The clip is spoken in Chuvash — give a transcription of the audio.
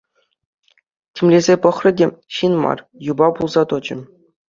Тимлесе пӑхрӗ те — ҫын мар, юпа пулса тӑчӗ.